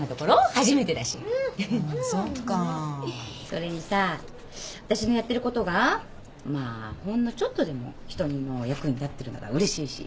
それにさ私のやってることがまあほんのちょっとでも人の役に立ってるならうれしいし。